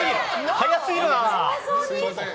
早すぎるな！